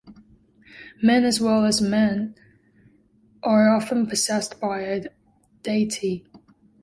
Men as well as women are often possessed by a deity.